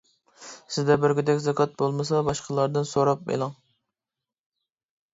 سىزدە بەرگۈدەك زاكات بولمىسا باشقىلاردىن سوراپ ئېلىڭ.